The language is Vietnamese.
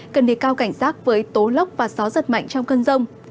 cần đề cao cảnh giác với tố lốc và gió giật mạnh trong cơn rông